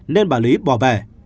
nên bà lý bỏ về